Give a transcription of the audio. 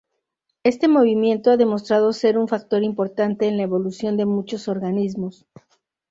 Este movimiento ha demostrado ser un factor importante en la evolución de muchos organismos.